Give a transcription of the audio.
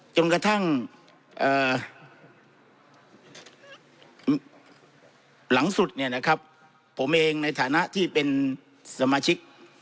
จนกระทั่งหลังสุดผมเองในฐานะที่เป็นสมาชิก